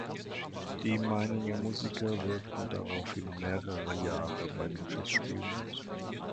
Die Meininger Musiker wirkten daraufhin mehrere Jahre bei den Festspielen mit.